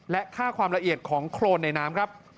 และค่าความละเอียดของโครนในน้ำครับ